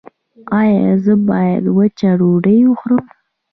ایا زه باید وچه ډوډۍ وخورم؟